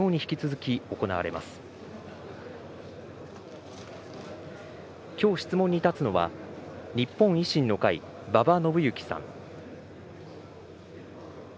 きょう質問に立つのは、日本維新の会、馬場伸幸さん。